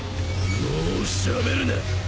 もうしゃべるな。